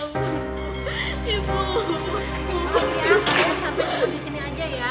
maaf ya aku harus sampai cuma di sini aja ya